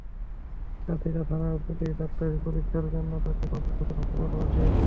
সাঁথিয়া থানার পুলিশ ডাক্তারি পরীক্ষার জন্য তাঁকে পাবনা সদর হাসপাতালে পাঠিয়েছে।